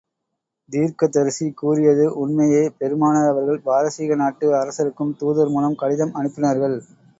தீர்க்கதரிசி கூறியது உண்மையே பெருமானார் அவர்கள் பாரசீக நாட்டு அரசருக்கும், தூதர் மூலம் கடிதம் அனுப்பினார்கள்.